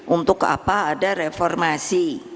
untuk apa ada reformasi